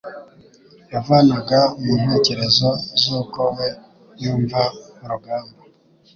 yavanaga mu ntekerezo z'uko we yumva urugamba.